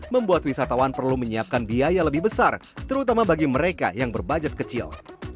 membuat wisatawan perlu menyiapkan biaya lebih besar terutama bagi mereka yang berbudget kecil